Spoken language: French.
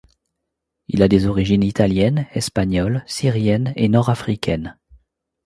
Il a des origines italiennes, espagnoles, syriennes et nord-africaines.